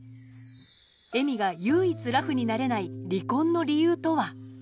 恵美が唯一ラフになれない離婚の理由とは？